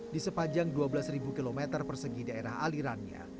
di sepanjang dua belas km persegi daerah alirannya